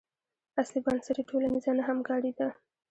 اصلي بنسټ یې ټولنیزه نه همکاري ده.